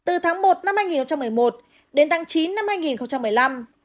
từ tháng một năm hai nghìn một mươi một đến tháng chín năm hai nghìn một mươi năm